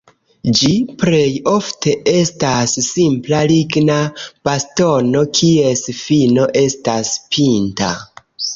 Ĝi plej ofte estas simpla ligna bastono, kies fino estas pinta.